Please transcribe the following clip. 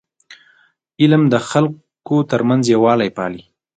علم د خلکو ترمنځ یووالی پالي.